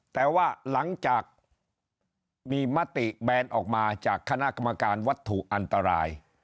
แต่ว่าหลังจากมีมติแบนออกมาจากคณะกรรมการวัตถุอันตราย